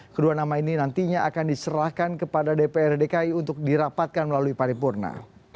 kedua nama ini nantinya akan diserahkan kepada dprd dki untuk dirapatkan melalui paripurna